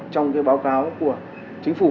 trong báo cáo của chính phủ